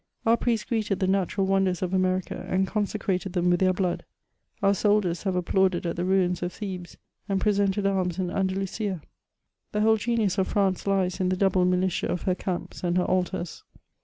Our priests greeted the natural wonders of America, and con secrated them with their blood ; our soldiers have applauded at the ruins of Thebes, and presented arms in Andalusia ; the whole genius of France lies in the double militia of her camps and her altars.